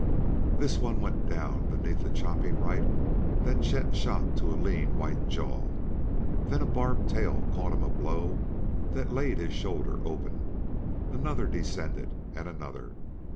This one went down beneath the chopping right that Chet shot to a lean, white jaw; then a barbed tail caught him a blow that laid his shoulder open. Another descended and another.